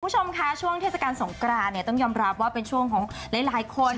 คุณผู้ชมค่ะช่วงเทศกาลสงกรานเนี่ยต้องยอมรับว่าเป็นช่วงของหลายคน